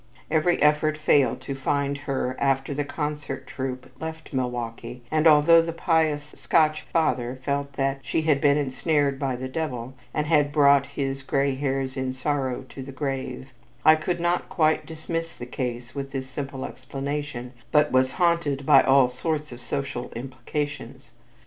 Every effort failed to find her after the concert troupe left Milwaukee and although the pious Scotch father felt that "she had been ensnared by the Devil," and had brought his "gray hairs in sorrow to the grave," I could not quite dismiss the case with this simple explanation, but was haunted by all sorts of social implications.